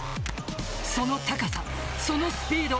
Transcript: その高さ、そのスピード